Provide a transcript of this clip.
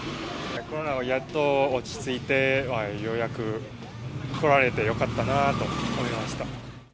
コロナもやっと落ち着いて、ようやく来られてよかったなと思いました。